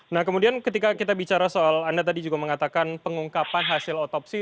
nah kemudian ketika kita bicara soal anda tadi juga mengatakan pengungkapan hasil otopsi